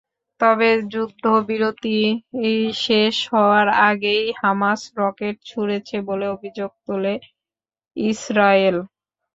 তবে যুদ্ধবিরতি শেষ হওয়ার আগেই হামাস রকেট ছুড়েছে বলে অভিযোগ তোলে ইসরায়েল।